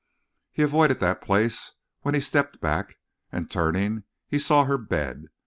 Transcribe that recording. He avoided that place when he stepped back, and turning, he saw her bed.